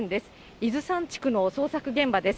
伊豆山地区の捜索現場です。